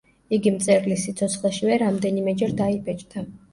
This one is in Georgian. იგი მწერლის სიცოცხლეშივე რამდენიმეჯერ დაიბეჭდა.